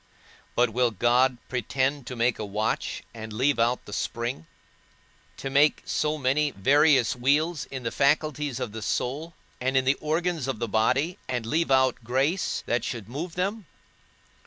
But will God pretend to make a watch, and leave out the spring? to make so many various wheels in the faculties of the soul, and in the organs of the body, and leave out grace, that should move them?